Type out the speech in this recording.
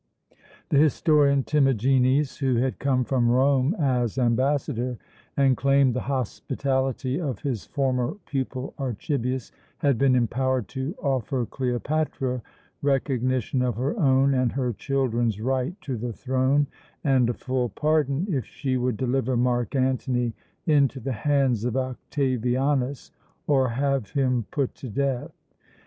The historian Timagenes, who had come from Rome as ambassador and claimed the hospitality of his former pupil Archibius, had been empowered to offer Cleopatra recognition of her own and her children's right to the throne, and a full pardon, if she would deliver Mark Antony into the hands of Octavianus, or have him put to death.